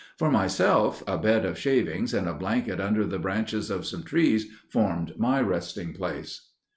For myself, a bed of shavings and a blanket under the branches of some trees formed my resting place."